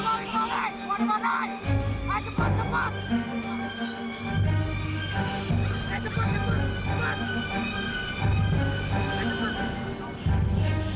sebenarnya via rancangan ini kalian yang paling penting